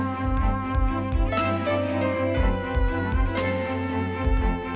ทุกคนพร้อมแล้วขอเสียงปลุ่มมือต้อนรับ๑๒สาวงามในชุดราตรีได้เลยค่ะ